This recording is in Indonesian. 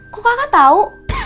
kok kakak tau